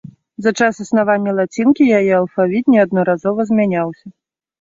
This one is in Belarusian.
За час існавання лацінкі яе алфавіт неаднаразова змяняўся.